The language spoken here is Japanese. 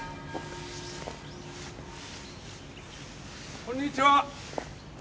こんにちは！